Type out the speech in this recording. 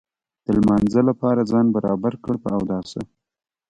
د لمانځه لپاره ځان برابر کړ په اوداسه.